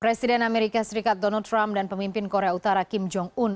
presiden amerika serikat donald trump dan pemimpin korea utara kim jong un